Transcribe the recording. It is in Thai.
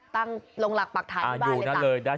ตั้งลงหลักปักถ่ายที่บ้านเลยตั้ง